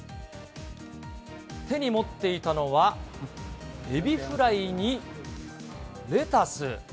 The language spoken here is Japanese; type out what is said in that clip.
手に持っていたのは、エビフライに、レタス。